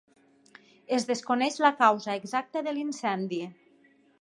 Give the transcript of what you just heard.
Es desconeix la causa exacta de l'incendi.